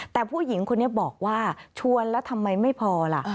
แต่ผู้หญิงคนนี้บอกว่าชวนแล้วทำไมไม่พอล่ะ